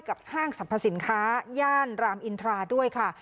ห้างสรรพสินค้าย่านรามอินทราด้วยค่ะ